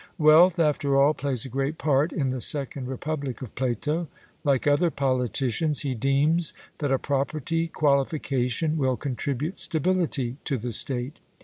Wealth, after all, plays a great part in the Second Republic of Plato. Like other politicians, he deems that a property qualification will contribute stability to the state.